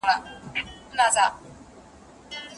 ورينداره او ماما په کورنۍ کي څه حيثيت لري؟